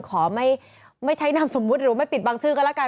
ขอไม่ใช้นามสมมุติหรือไม่ปิดบางชื่อก็แล้วกัน